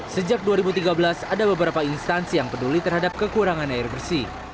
sejak dua ribu tiga belas ada beberapa instansi yang peduli terhadap kekurangan air bersih